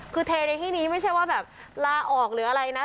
คือเทในที่นี้ไม่ใช่ว่าแบบลาออกหรืออะไรนะ